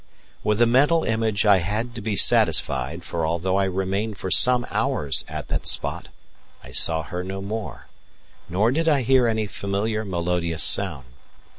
With the mental image I had to be satisfied, for although I remained for some hours at that spot, I saw her no more, nor did I hear any familiar melodious sound.